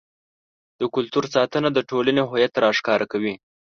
د کلتور ساتنه د ټولنې هویت راښکاره کوي.